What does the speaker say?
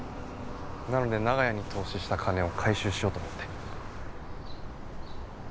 なので長屋に投資した金を回収しようと思って。